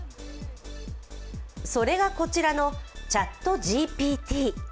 それが、こちらのＣｈａｔＧＰＴ。